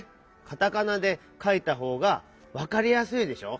カタカナでかいたほうがわかりやすいでしょ？